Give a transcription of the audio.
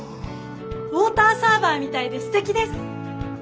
ウォーターサーバーみたいですてきです！